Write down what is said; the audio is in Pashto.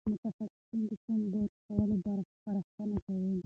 متخصصین د سم برس کولو سپارښتنه کوي.